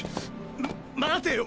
ま待てよ。